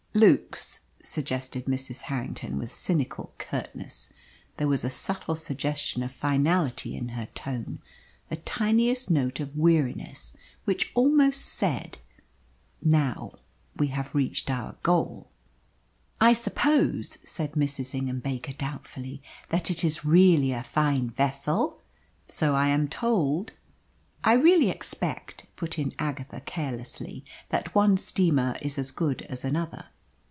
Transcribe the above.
"Luke's," suggested Mrs. Harrington, with cynical curtness. There was a subtle suggestion of finality in her tone, a tiniest note of weariness which almost said "Now we have reached our goal." "I suppose," said Mrs. Ingham Baker doubtfully, "that it is really a fine vessel?" "So I am told." "I really expect," put in Agatha carelessly, "that one steamer is as good as another."